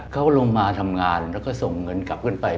เขาลงมาทำงานแล้วก็ส่งเงินกลับขึ้นไป